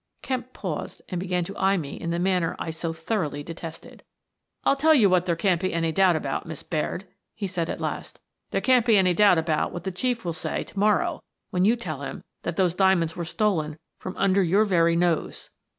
" Kemp paused and began to eye me in the manner I so thoroughly detested. "I'll tell you what there can't be any doubt about, Miss Baird," he said, at last. " There can't be any doubt about what the Chief will say to morrow when you tell him that those diamonds were stolen from under your very nose."